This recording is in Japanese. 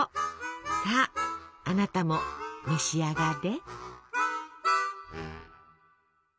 さああなたも召し上がれ。